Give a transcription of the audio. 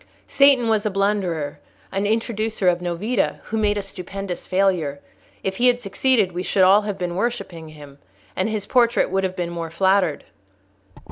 "Satan was a blunderer, an introducer of novita, who made a stupendous failure. If he had succeeded, we should all have been worshipping him, and his portrait would have been more flattered."